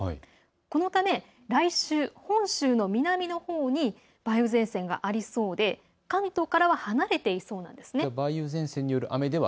このため来週、本州の南のほうに梅雨前線がありそうで関東からは離れていそうなんです。